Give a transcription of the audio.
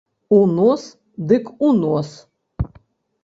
У нос дык у нос!